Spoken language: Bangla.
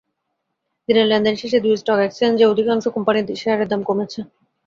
দিনের লেনদেন শেষে দুই স্টক এক্সচেঞ্জে অধিকাংশ কোম্পানির শেয়ারের দাম কমেছে।